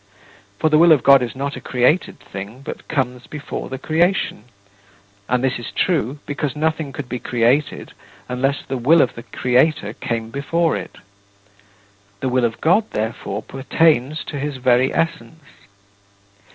For the will of God is not a created thing, but comes before the creation and this is true because nothing could be created unless the will of the Creator came before it. The will of God, therefore, pertains to his very Essence.